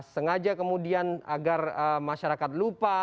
sengaja kemudian agar masyarakat lupa